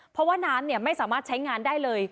เพราะนะนเนี่ยไม่สามารถใช้งานได้เลย